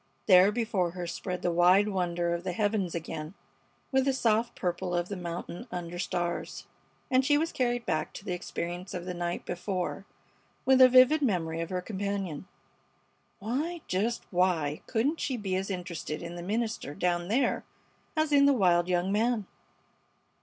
There before her spread the wide wonder of the heavens again, with the soft purple of the mountain under stars; and she was carried back to the experience of the night before with a vivid memory of her companion. Why, just why couldn't she be as interested in the minister down there as in the wild young man?